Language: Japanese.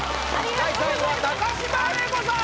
第３位は高島礼子さん。